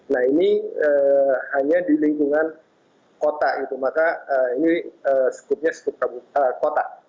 nah ini hanya di lingkungan kota maka ini sekutnya sekut kota